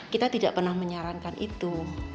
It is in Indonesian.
kita tidak pernah menyarankan itu